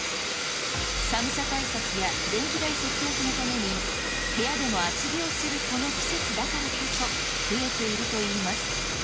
寒さ対策や電気代節約のために、部屋でも厚着をするこの季節だからこそ増えているといいます。